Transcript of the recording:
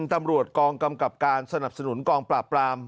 ตำรวจกองกำกับการสนับสนุนกองปราบปราม